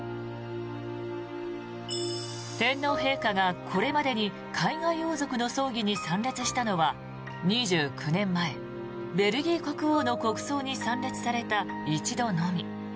天皇陛下がこれまでに海外王族の葬儀に参列したのは２９年前、ベルギー国王の国葬に参列された一度のみ。